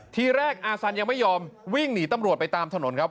ทีแรกอาสันยังไม่ยอมวิ่งหนีตำรวจไปตามถนนครับ